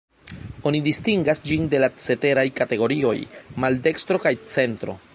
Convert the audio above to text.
Oni distingas ĝin de la ceteraj kategorioj: maldekstro kaj centro.